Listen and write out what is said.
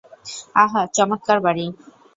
আহা, চমৎকার বাড়ি।